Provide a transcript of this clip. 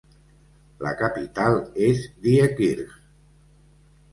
La capital és Diekirch.